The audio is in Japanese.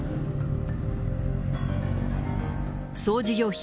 総事業費